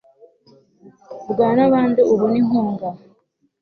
vugana nabandi ubone inkunga